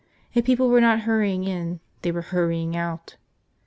If people were not hurrying in they were hurrying out.